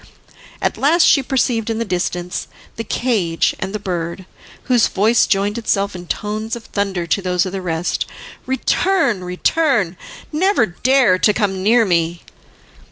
At last she perceived in the distance the cage and the bird, whose voice joined itself in tones of thunder to those of the rest: "Return, return! never dare to come near me."